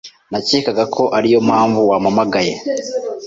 Nakekaga ko ariyo mpamvu wampamagaye.